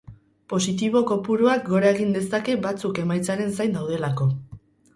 Positibo kopuruak gora egin dezake batzuk emaitzaren zain daudelako.